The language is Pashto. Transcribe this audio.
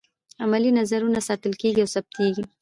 عملي نظرونه ساتل کیږي او ثبتیږي.